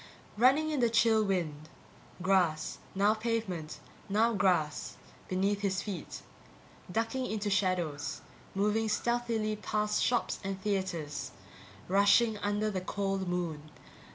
Running in the chill night wind. Grass, now pavement, now grass, beneath his feet. Ducking into shadows, moving stealthily past shops and theatres, rushing under the cold moon.